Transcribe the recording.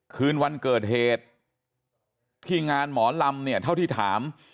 คืนวันเกิดเหตุที่งานหมอลำเนี่ยเท่าที่ถาม